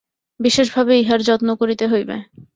বিশেষভাবে ইহার যত্ন করিতে হইবে।